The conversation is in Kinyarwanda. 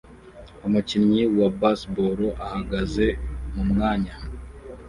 Umukinnyi wa baseball ahagaze mumwanya